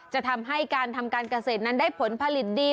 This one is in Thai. จะทำให้การทำการเกษตรนั้นได้ผลผลิตดี